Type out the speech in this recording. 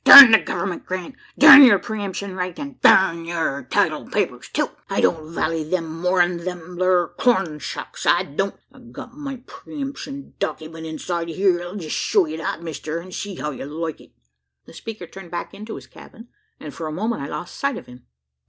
Durn the government grant! durn your pre emption right! an' durn yur title papers too! I don't valley them more'n them thur corn shucks I don't. I've got my pre emption dokyment inside hyur. I'll jest shew ye that, mister; an' see how ye'll like it." The speaker turned back into his cabin, and for a moment I lost sight of him.